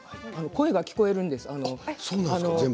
声が聞こえるんです。